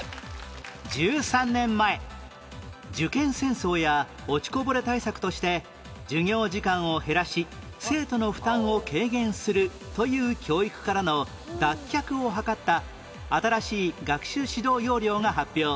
１３年前受験戦争や落ちこぼれ対策として授業時間を減らし生徒の負担を軽減するという教育からの脱却を図った新しい学習指導要領が発表